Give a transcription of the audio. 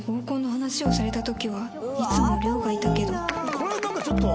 これなんかちょっと。